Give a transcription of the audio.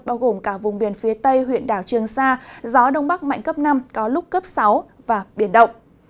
bao gồm cả vùng biển phía tây huyện đảo trường sa gió đông bắc mạnh cấp năm có lúc cấp sáu và biển động